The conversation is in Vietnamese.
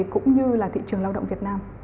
cũng như là thị trường lao động việt nam